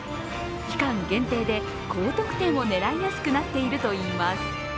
期間限定で高得点を狙いやすくなっているといいます。